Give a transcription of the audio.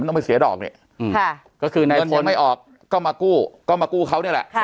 มันต้องไปเสียดอกเนี้ยค่ะก็คือไม่ออกก็มากู้ก็มากู้เขานี่แหละ